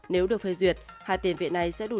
nếu được phê duyệt hai tiền viện này sẽ đủ